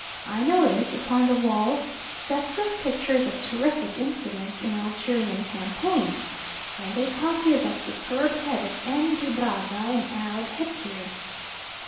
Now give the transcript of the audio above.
I notice upon the walls sets of pictures of terrific incidents in Algerian campaigns, and a copy of that superb head of M. de Brazza in Arab headgear.